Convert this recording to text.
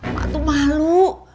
mak tuh malu